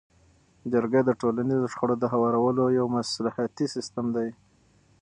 جرګه د ټولنیزو شخړو د هوارولو یو مصلحتي سیستم دی.